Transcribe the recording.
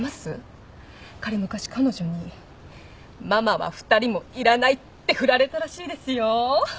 彼昔彼女に「ママは２人もいらない」って振られたらしいですよ。